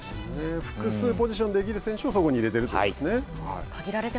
複数ポジションができる選手をそこに入れているということですはい。